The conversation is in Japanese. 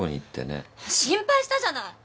心配したじゃない！